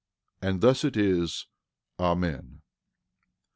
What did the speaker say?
And thus it is. Amen.